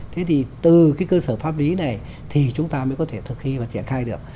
thế thì từ cái cơ sở pháp lý này thì chúng ta mới có thể thực thi và triển khai được